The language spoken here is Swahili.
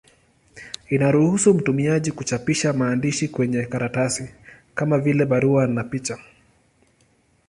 Inaruhusu mtumiaji kuchapisha maandishi kwenye karatasi, kama vile barua na picha.